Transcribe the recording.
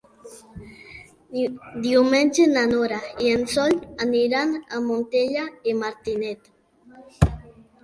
Diumenge na Nora i en Sol aniran a Montellà i Martinet.